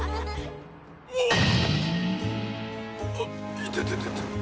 いてててて。